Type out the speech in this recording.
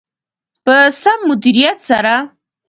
په سم مدیریت سره.